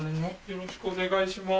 よろしくお願いします。